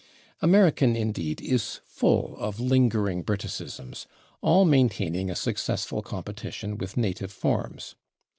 American, indeed, is full of lingering Briticisms, all maintaining a successful competition with native forms.